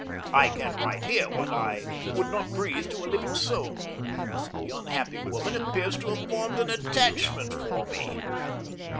I can write here what I would not breathe to a living soul. The unhappy woman appears to have formed an attachment for me.